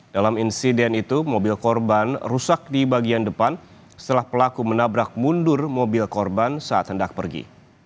dalam insiden itu mobil korban rusak di bagian depan setelah pelaku menabrak mundur mobil korban saat hendak pergi